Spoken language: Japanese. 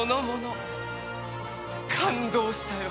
感動したよ！